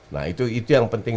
nah itu yang penting